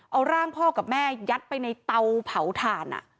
เอาร่างพ่อกับแม่ยัดไปในเตาเผาถ่าน